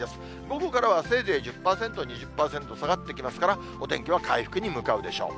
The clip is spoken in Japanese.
午後からはせいぜい１０％、２０％、下がってきますから、お天気は回復に向かうでしょう。